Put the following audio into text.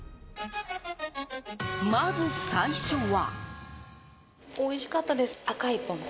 まず最初は。